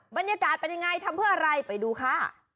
บรรยากาศเป็นยังไงทำเพื่ออะไรไปดูค่ะ